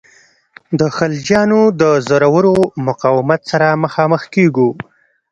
د خلجیانو د زورور مقاومت سره مخامخ کیږو.